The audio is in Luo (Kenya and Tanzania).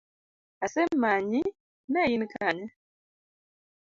Asemanyi, ne in Kanye?